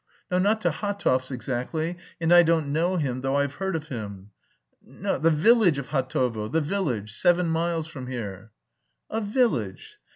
No, not to Hatov's exactly... And I don't know him though I've heard of him." "The village of Hatovo, the village, seven miles from here." "A village?